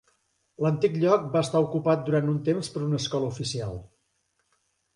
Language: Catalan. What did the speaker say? L'antic lloc va estar ocupat durant un temps per una escola oficial.